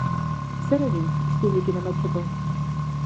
Zer egin istiluekin amaitzeko?